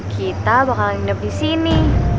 kita bakal hidup disini